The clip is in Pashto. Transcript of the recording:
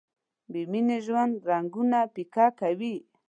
بې مینې ژوند رنګونه پیکه کوي.